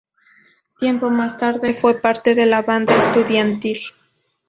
Tiempo más tarde fue parte de una banda estudiantil.